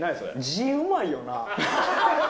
字、うまいよな。